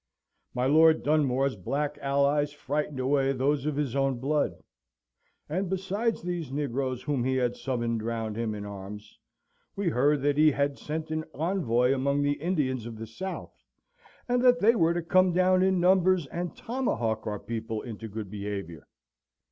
My Lord Dunmore's black allies frightened away those of his own blood; and besides these negroes whom he had summoned round him in arms, we heard that he had sent an envoy among the Indians of the South, and that they were to come down in numbers and tomahawk our people into good behaviour.